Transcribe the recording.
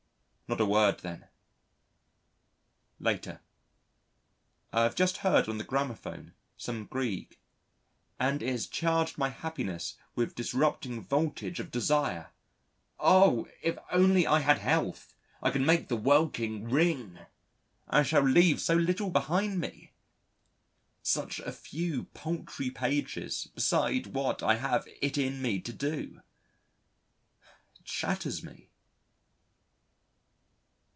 Not a word then! Later. I have just heard on the gramophone, some Grieg, and it has charged my happiness with disrupting voltage of desire. Oh! if only I had health, I could make the welkin ring! I shall leave so little behind me, such a few paltry pages beside what I have it in me to do. It shatters me.